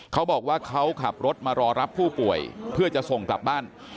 เขาบอกว่าเขาขับรถมารอรับผู้ป่วยเพื่อจะส่งกลับบ้าน